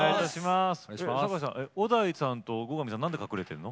酒井さん小田井さんと後上さん何で隠れてんの？